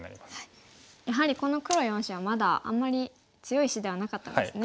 やはりこの黒４子はまだあんまり強い石ではなかったんですね。